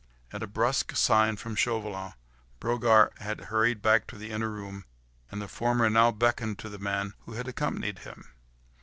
At a brusque sign from Chauvelin, Brogard had hurried back to the inner room, and the former now beckoned to the man who had accompanied him.